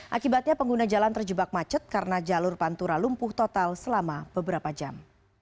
akibatnya pengguna jalan terjebak macet karena jalur pantura lumpuh total selama beberapa jam